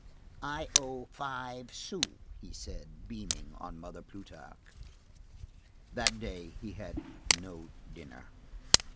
—"I owe five sous," he said, beaming on Mother Plutarque. That day he had no dinner.